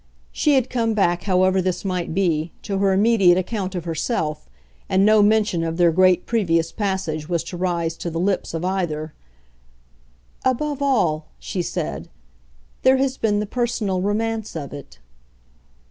She had come back, however this might be, to her immediate account of herself, and no mention of their great previous passage was to rise to the lips of either. "Above all," she said, "there has been the personal romance of it."